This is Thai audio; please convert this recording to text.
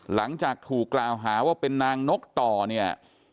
หลังจากถูกกล่าวหาว่าเป็นนางนกต่อเนี่ย